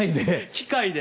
機械で。